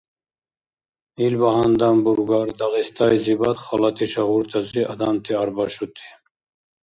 Илбагьандан бургар Дагъистайзибад халати шагьуртази адамти арбашути?